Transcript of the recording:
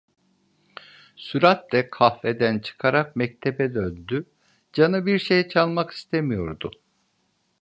Süratle kahveden çıkarak mektebe döndü, canı bir şey çalmak istemiyordu.